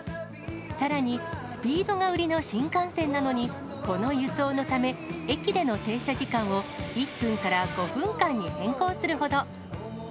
さらに、スピードが売りの新幹線なのに、この輸送のため、駅での停車時間を１分から５分間に変更するほど。